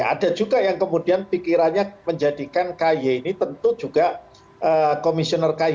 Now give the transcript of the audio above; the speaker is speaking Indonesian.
ada juga yang kemudian pikirannya menjadikan kay ini tentu juga komisioner kay nya